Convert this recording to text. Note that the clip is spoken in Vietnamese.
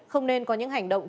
không nên có những hành động